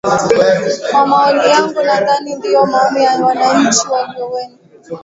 kwa maoni yangu nadhani ndiyo maoni ya wananchi walio wen